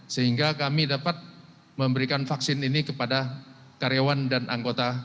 sehingga kami dapat memberikan vaksin ini kepada karyawan dan anggota